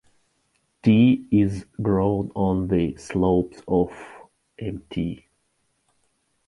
Tea is grown on the slopes of Mt.